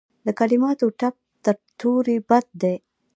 د کلماتو ټپ تر تورې بد دی.